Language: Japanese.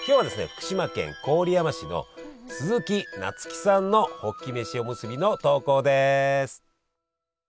福島県郡山市のすずきなつきさんのホッキ飯おむすびの投稿です。